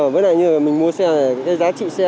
với lại như mình mua xe này cái giá trị xe